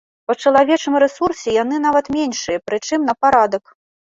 Па чалавечым рэсурсе яны нават меншыя, прычым на парадак!